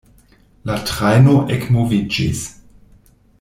La trajno ekmoviĝis.